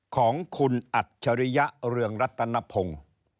ของคุณอัจฉริยะเรืองรัตนพงศ์